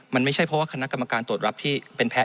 มันไม่ใช่เพราะว่าคณะกรรมการตรวจรับที่เป็นแพ้